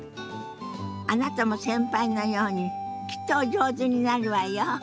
あなたも先輩のようにきっとお上手になるわよ。